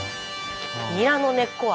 ニラの根っこは。